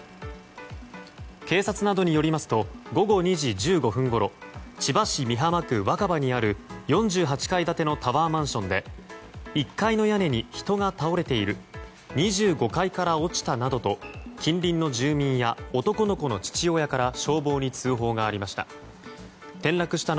警察などによりますと午後２時１５分ごろ千葉市美浜区若葉にある４８階建てのタワーマンションで１階の屋根に人が倒れている２５階から落ちたなどと近隣の住民や男の子の父親から消防に通報がありました。